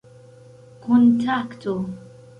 kontakto